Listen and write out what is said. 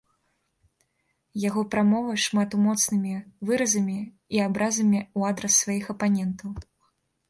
Яго прамовы шмат у моцнымі выразамі і абразамі ў адрас сваіх апанентаў.